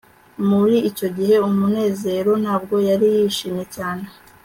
muri icyo gihe, munezero ntabwo yari yishimye cyane